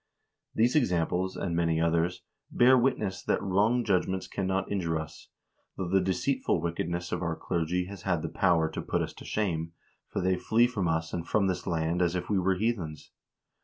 " These examples, and many others, bear witness that wrong judg ments cannot injure us, though the deceitful wickedness of our clergy has had the power to put us to shame, for they flee from us and from this land as if we were heathens.